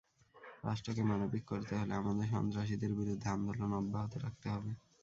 রাষ্ট্রকে মানবিক করতে হলে আমাদের সন্ত্রাসীদের বিরুদ্ধে আন্দোলন অব্যাহত রাখতে হবে।